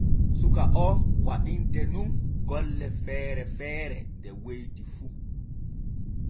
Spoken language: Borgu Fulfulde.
Suka o waɗinte nun golle feere feere de weeti fu.